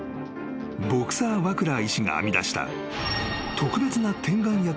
［ボクサー・ワクラー医師が編み出した］